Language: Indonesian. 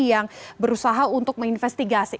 yang berusaha untuk menginvestigasi